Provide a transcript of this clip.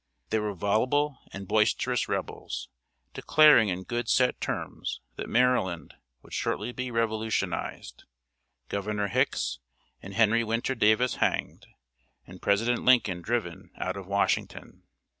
They were voluble and boisterous Rebels, declaring in good set terms that Maryland would shortly be revolutionized, Governor Hicks and Henry Winter Davis hanged, and President Lincoln driven out of Washington.